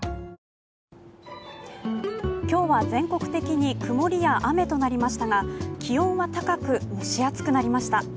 今日は全国的に曇りや雨となりましたが気温は高く蒸し暑くなりました。